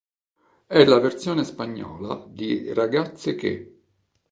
È la versione spagnola di "Ragazze che".